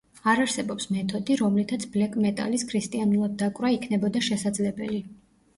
არ არსებობს მეთოდი, რომლითაც ბლეკ-მეტალის ქრისტიანულად დაკვრა იქნებოდა შესაძლებელი.